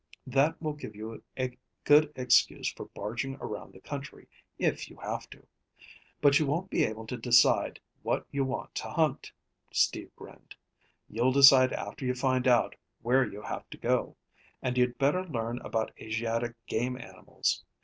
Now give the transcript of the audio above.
That will give you a good excuse for barging around the country if you have to. But you won't be able to decide what you want to hunt." Steve grinned. "You'll decide after you find out where you have to go. And you'd better learn about Asiatic game animals.